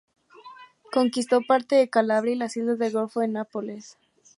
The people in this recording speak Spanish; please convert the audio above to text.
Conquistó parte de Calabria y las islas del golfo de Nápoles.